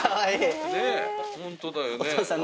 ホントだよね。